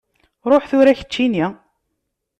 Ruḥ tura keččini!